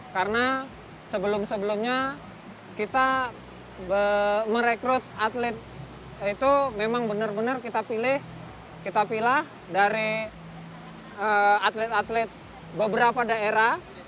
karena sebelum sebelumnya kita merekrut atlet itu memang benar benar kita pilih kita pilih dari atlet atlet beberapa daerah